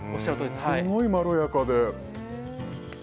すごいまろやかで。